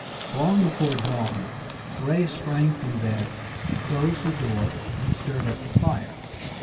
Long before dawn Ray sprang from bed, closed the door and stirred up the fire.